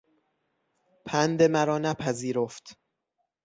پند مرا نپذیرفت.